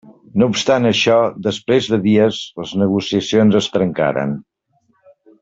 No obstant això, després de dies, les negociacions es trencaren.